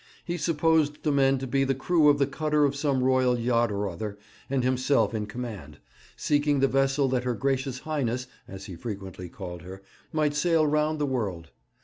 He supposed the men to be the crew of the cutter of some Royal yacht or other, and himself in command, seeking the vessel that her Gracious Highness, as he frequently called her, might sail round the world.